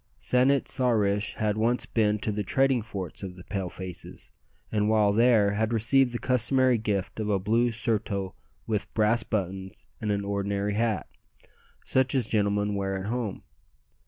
San it sa rish had once been to the trading forts of the Pale faces, and while there had received the customary gift of a blue surtout with brass buttons, and an ordinary hat, such as gentlemen wear at home.